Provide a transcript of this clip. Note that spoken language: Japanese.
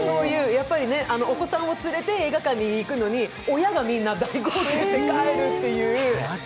お子さんを連れて映画館に行くのに親がみんな大号泣して帰るっていう。